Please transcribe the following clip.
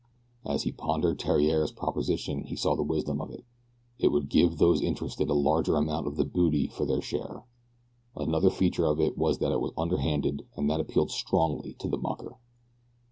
As he pondered Theriere's proposition he saw the wisdom of it. It would give those interested a larger amount of the booty for their share. Another feature of it was that it was underhanded and that appealed strongly to the mucker.